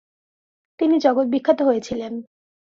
তিনি জগত বিখ্যাত হয়েছিলেন।